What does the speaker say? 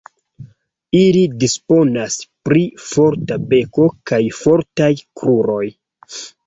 Ili disponas pri forta beko kaj fortaj kruroj.